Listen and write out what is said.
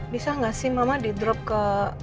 bisa nggak sih mama di drop ke